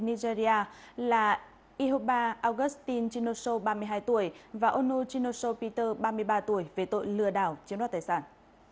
nigeria là ihoba augustin chinosho ba mươi hai tuổi và onu chinosho peter ba mươi ba tuổi về tội lừa đảo chiếm đoạt tài sản